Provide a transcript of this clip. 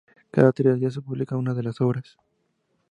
Cada tres días se publica una de las obras.